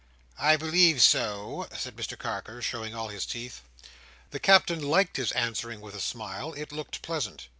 "I believe so," said Mr Carker, showing all his teeth. The Captain liked his answering with a smile; it looked pleasant.